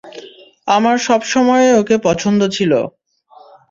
আমার সবসময়েই ওকে পছন্দ ছিল।